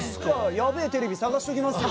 やべえテレビ探しときますよ。